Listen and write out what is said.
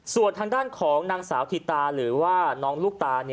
ส่วนทางด้านของนางสาวธิตาหรือว่าน้องลูกตา